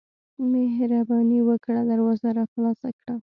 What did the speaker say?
مهرباني وکړه دروازه راخلاصه کړه.